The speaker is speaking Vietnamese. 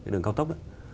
đường cao tốc